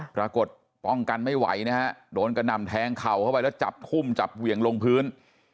ปรากฏป้องกันไม่ไหวนะฮะโดนกระหน่ำแทงเข่าเข้าไปแล้วจับทุ่มจับเหวี่ยงลงพื้น